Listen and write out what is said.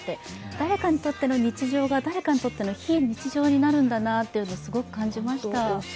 誰かにとっての日常が誰かにとっての非日常になるんだなと感じました。